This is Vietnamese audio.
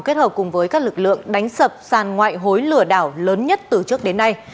kết hợp cùng với các lực lượng đánh sập sàn ngoại hối lửa đảo lớn nhất từ trước đến nay